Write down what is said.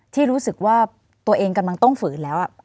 ที่รู้สึกว่าตัวเองกำลังต้องฝืนแล้ว